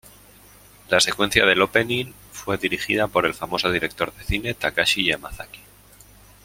La secuencia del opening fue dirigida por el famoso director de cine Takashi Yamazaki.